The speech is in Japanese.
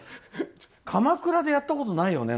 鎌倉でやったことないよね